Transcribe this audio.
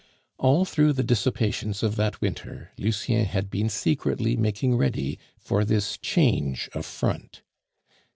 All through the dissipations of that winter Lucien had been secretly making ready for this change of front.